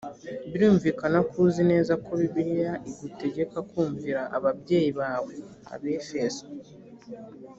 birumvikana ko uzi neza ko bibiliya igutegeka kumvira ababyeyi bawe abefeso